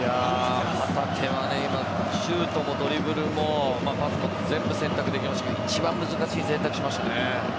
旗手は今シュートもドリブルもパスも全部選択できましたが一番難しい選択をしましたね。